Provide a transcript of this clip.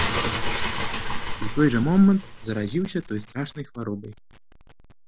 І ў той жа момант заразіўся той страшнай хваробай.